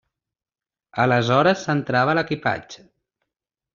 Aleshores s'entrava l'equipatge.